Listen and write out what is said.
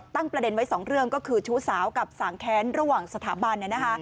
ตั้งประเด็นไว้สองเรื่องก็คือชู้สาวกับสางแค้นระหว่างสถาบัน